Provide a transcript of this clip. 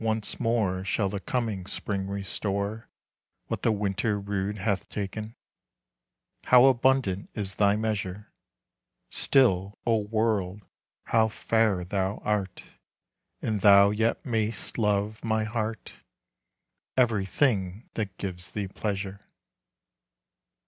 Once more Shall the coming Spring restore What the Winter rude hath taken. How abundant is thy measure! Still, O world, how fair thou art! And thou yet may'st love, my heart, Everything that gives thee pleasure.